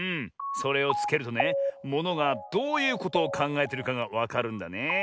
それをつけるとねものがどういうことをかんがえてるかがわかるんだねえ。